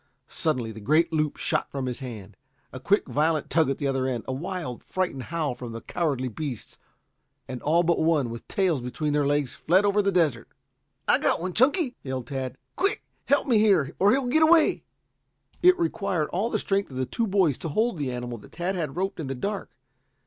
Suddenly the great loop shot from his hand. A quick, violent tug at the other end, a wild, frightened howl from the cowardly beasts, and all but one, with tails between their legs, fled over the desert. "I've got one, Chunky," yelled Tad. "Quick! Help me here, or he'll get away!" It required all the strength of the two boys to hold the animal that Tad had roped in the dark.